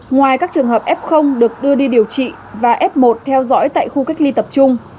ngoài các trường hợp f được đưa đi điều trị và f một theo dõi tại khu cách ly tập trung